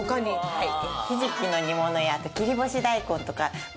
はい。